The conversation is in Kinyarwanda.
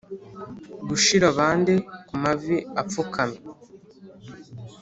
gushira bande kumavi apfukamye,